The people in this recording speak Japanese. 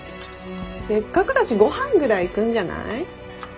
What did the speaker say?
せっかくだしご飯ぐらい行くんじゃない？